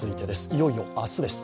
いよいよ明日です。